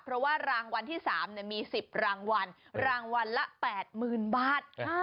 เพราะว่ารางวัลที่๓มี๑๐รางวัลรางวัลละ๘๐๐๐บาท